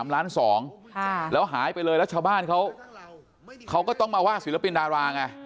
๓ล้าน๒แล้วหายไปเลยรัชบ้านเขาก็ต้องมาว่าศิลปินดาราไง